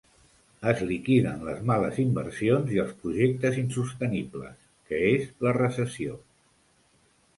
Es liquiden les males inversions i els projectes insostenibles, que és la recessió.